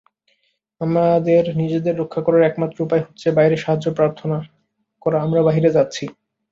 আমাদের নিজেদের রক্ষা করার একমাত্র উপায় হচ্ছে বাইরে সাহায্য প্রার্থনা করা আমরা বাহিরে যাচ্ছি!